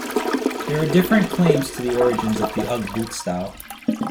There are different claims to the origins of the ugg boot style.